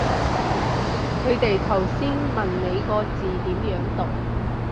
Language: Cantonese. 佢哋頭先問你個字點樣讀